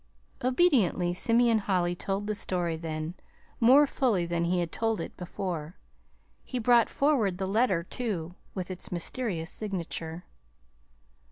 Obediently Simeon Holly told the story then, more fully than he had told it before. He brought forward the letter, too, with its mysterious signature.